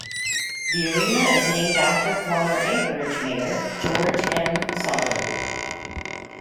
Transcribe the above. The arena is named after former Anchorage mayor George M. Sullivan.